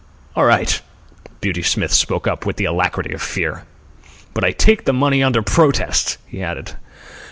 "All right," Beauty Smith spoke up with the alacrity of fear. "But I take the money under protest," he added.